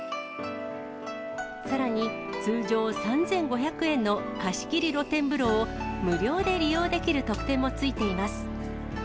さらに、通常３５００円の貸し切り露天風呂を、無料で利用できる特典もついています。